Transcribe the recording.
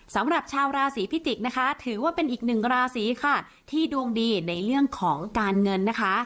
สำหรับชาวราศีพิจิกษ์นะคะถือว่าเป็นอีกหนึ่งราศีค่ะที่ดวงดีในเรื่องของการเงินนะคะ